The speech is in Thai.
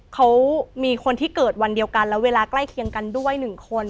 เขามีคนที่เกิดวันเดียวกันและเวลาใกล้เคียงกันด้วย๑คน